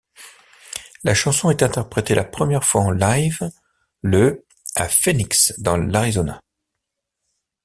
La chanson est interprétée la première fois en live le à Phoenix dans l'Arizona.